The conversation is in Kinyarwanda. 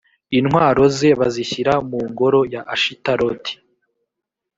intwaro ze bazishyira mu ngoro ya ashitaroti